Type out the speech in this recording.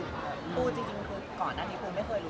สวัสดีคุณครับสวัสดีคุณครับ